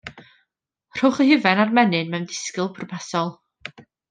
Rhowch y hufen a'r menyn mewn dysgl bwrpasol.